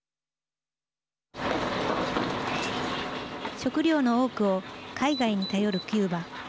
食料の多くを海外に頼るキューバ。